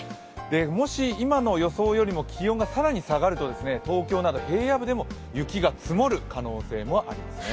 もし今の予想よりも気温が更に下がると東京など平野部でも雪が積もる可能性がありますね。